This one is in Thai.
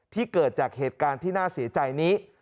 เกิดจากเหตุการณ์ที่น่าเสียใจนี้